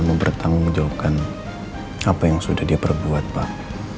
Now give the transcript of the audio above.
mempertanggungjawabkan apa yang sudah dia perbuat pak